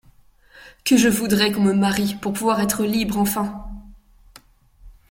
Que je voudrais qu’on me marie, Pour pouvoir être libre enfin !